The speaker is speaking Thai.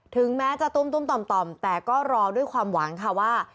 ถึงแม้จะตุ้มต่อมแต่ก็รอด้วยความหวังค่ะว่า